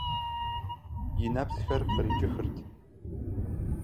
И нэпсхэр кърикӏыхырт.